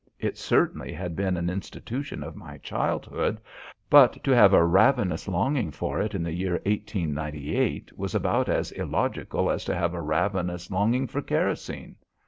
It certainly had been an institution of my childhood, but to have a ravenous longing for it in the year 1898 was about as illogical as to have a ravenous longing for kerosene.